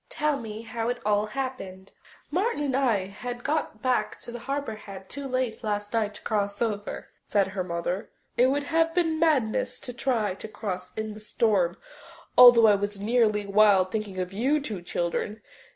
Tell me how it all happened." "Martin and I got back to Harbour Head too late last night to cross over," said her mother. "It would have been madness to try to cross in the storm, although I was nearly wild thinking of you two children.